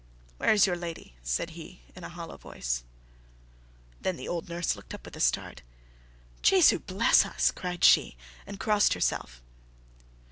"Where is your lady?" said he, in a hollow voice. Then the old nurse looked up with a start. "Jesu bless us," cried she, and crossed herself.